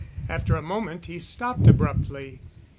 After a moment he stopped abruptly.